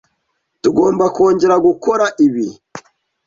Tugomba kongera gukora ibi.